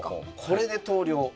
これで投了。